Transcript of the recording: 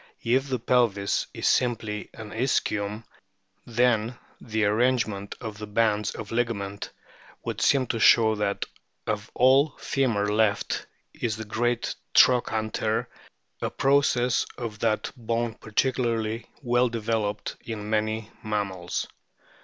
If the pelvis is simply an ischium, then the arrangement of the bands of ligament would seem to show that of all femur left is the great trochanter, a process of that bone particularly well developed in many mammals.